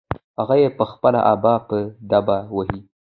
هغه يې په خپله ابه په دبه وهي.